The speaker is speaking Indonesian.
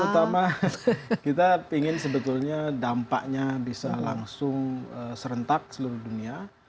terutama kita ingin sebetulnya dampaknya bisa langsung serentak seluruh dunia